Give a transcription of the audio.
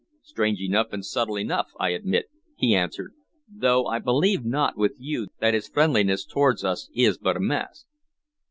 "Strange enough and subtle enough, I admit," he answered, "though I believe not with you that his friendliness toward us is but a mask."